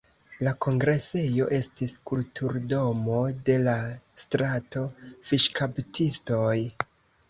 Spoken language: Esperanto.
La kongresejo estis Kulturdomo de la Strato Fiŝkaptistoj.